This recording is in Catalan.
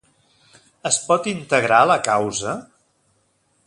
Es pot integrar a la causa?